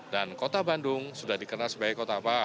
dan kota bandung sudah dikenal sebagai kota apa